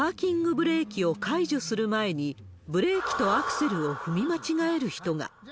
ブレーキを解除する前に、ブレーキとアクセルを踏み間違える人が。